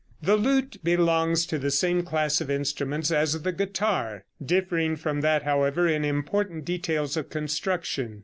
The lute belongs to the same class of instruments as the guitar, differing from that, however, in important details of construction.